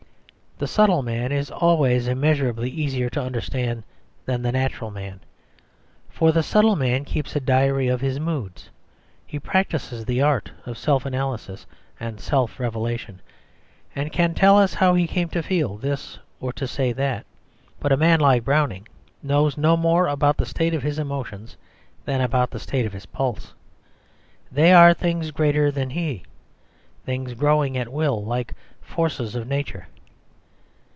The subtle man is always immeasurably easier to understand than the natural man; for the subtle man keeps a diary of his moods, he practises the art of self analysis and self revelation, and can tell us how he came to feel this or to say that. But a man like Browning knows no more about the state of his emotions than about the state of his pulse; they are things greater than he, things growing at will, like forces of Nature.